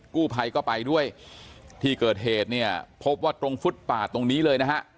กู้ภัยก็ไปด้วยที่เกิดเหตุเนี่ยพบว่าตรงฟุตปาดตรงนี้เลยนะฮะ